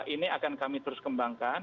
ini akan kami terus kembangkan